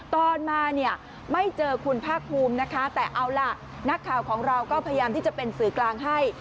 ตอนมาเนี่ยไม่เจอคุณภาคภูมินะคะแต่เอาล่ะนักข่าวของเราก็พยายามที่จะเป็นสื่อกลางให้